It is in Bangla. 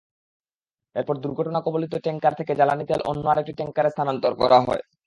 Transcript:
এরপর দুর্ঘটনাকবলিত ট্যাংকার থেকে জ্বালানি তেল অন্য আরেকটি ট্যাংকারে স্থানান্তর করা হয়।